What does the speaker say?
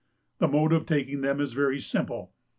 The mode of taking them is very simple.